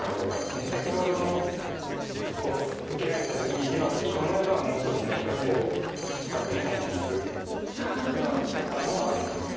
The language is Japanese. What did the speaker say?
先ほどの受けられた時に地が大きいと思えばもう少し何か深くに入っていくような打ち方もあります。